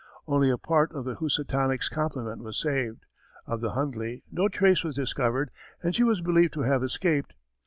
Only a part of the Housatonic's complement was saved. Of the Hundley no trace was discovered and she was believed to have escaped.